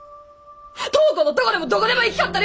灯子のとこでもどこでも行きはったらよろし！